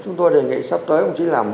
chúng tôi đề nghị sắp tới ông chỉ làm